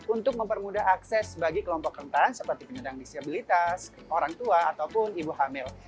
untuk mempermudah akses bagi kelompok rentan seperti penyandang disabilitas orang tua ataupun ibu hamil